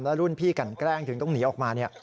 รุ่นพี่กันแกล้งถึงต้องหนีออกมาเนี่ย